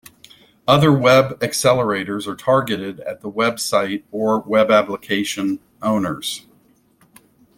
Other web accelerators are targeted at the web site or web application owners.